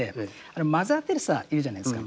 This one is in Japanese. マザー・テレサいるじゃないですか。